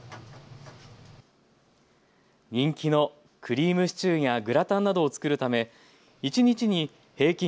人気のクリームシチューやグラタンなどを作るため一日に平均